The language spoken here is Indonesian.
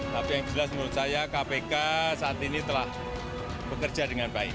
tapi yang jelas menurut saya kpk saat ini telah bekerja dengan baik